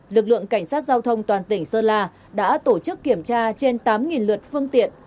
lực lượng cảnh sát giao thông toàn tỉnh sơn la đã tổ chức kiểm tra trên tám lượt phương tiện